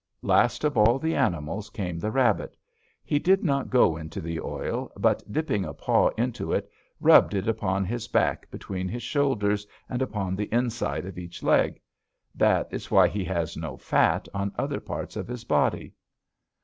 Last of all the animals came the rabbit. He did not go into the oil, but, dipping a paw into it, rubbed it upon his back between his shoulders and upon the inside of each leg. That is why he has no fat on other parts of his body.